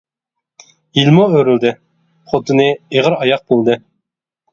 يىلمۇ ئۆرۈلدى، خوتۇنى ئېغىر ئاياق بولدى.